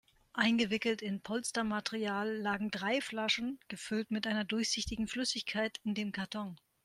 Eingewickelt in Polstermaterial lagen drei Flaschen, gefüllt mit einer durchsichtigen Flüssigkeit, in dem Karton.